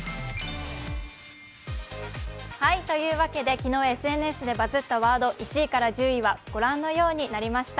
昨日ＳＮＳでバズったワード１位から１０位は御覧のようになりました。